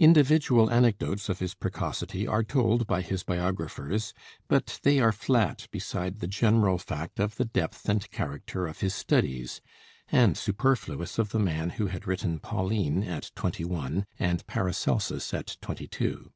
Individual anecdotes of his precocity are told by his biographers; but they are flat beside the general fact of the depth and character of his studies, and superfluous of the man who had written 'Pauline' at twenty one and 'Paracelsus' at twenty two.